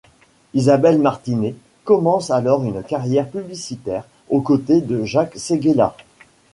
Isabelle Martinet commence alors une carrière publicitaire aux côtés de Jacques Séguéla.